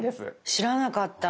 知らなかった。